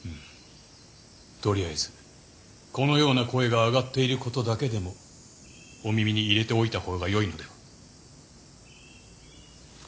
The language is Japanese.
とりあえずこのような声が上がっていることだけでもお耳に入れておいた方がよいのでは。